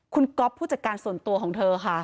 คุณก๊อฟผู้จัดการส่วนตัวของเธอค่ะ